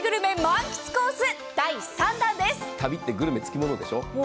旅ってグルメ、つきものでしょ。